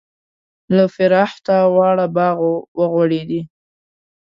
له فرحته واړه باغ و غوړیدلی.